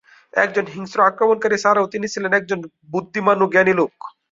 একজন হিংস্র আক্রমণকারী ছাড়াও তিনি ছিলেন একজন বুদ্ধিমান ও জ্ঞানী লোক।